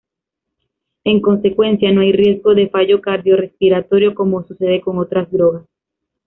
En consecuencia no hay riesgo de fallo cardiorrespiratorio como sucede con otras drogas.